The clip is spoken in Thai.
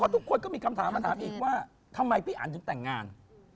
ทุกคนก็มีคำถามมาถามอีกว่าทำไมพี่อันถึงแต่งงาน